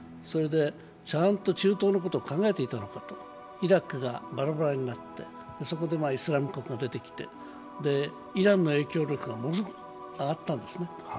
ちゃんと中東のことを考えていたのか、イラクがばらばらになって、そこでイスラム国が出てきてイランの影響力がものすごく上がったんですね。